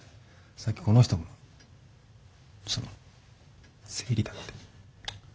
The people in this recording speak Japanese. さっきこの人もその生理だって。